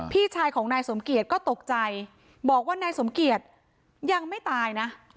พี่ชายของนายสมเกียจก็ตกใจบอกว่านายสมเกียจยังไม่ตายนะ